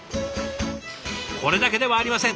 これだけではありません。